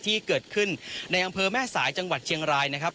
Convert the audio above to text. ที่เกิดขึ้นในอำเภอแม่สายจังหวัดเชียงรายนะครับ